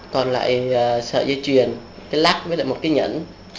còn lại sợi dây truyền cái lát với lại một cái nhẫn